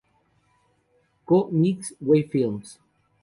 CoMix Wave Films